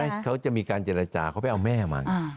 เห็นไหมเขาจะมีการเจรจาเขาไปเอาแม่มาง่ะ